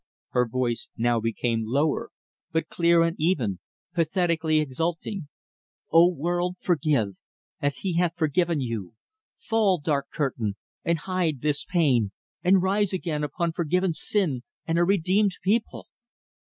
Her voice now became lower, but clear and even, pathetically exulting: "O world, forgive, as He hath forgiven you! Fall, dark curtain, and hide this pain, and rise again upon forgiven sin and a redeemed people!"